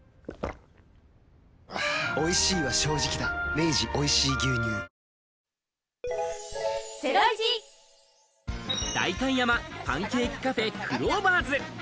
明治おいしい牛乳代官山パンケーキカフェ、クローバーズ。